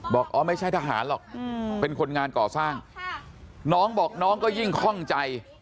บอกอ๋อไม่ใช่ทหารหรอกเป็นคนงานก่อสร้างน้องบอกน้องก็ยิ่งคล่องใจ